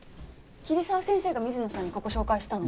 桐沢先生が水野さんにここ紹介したの？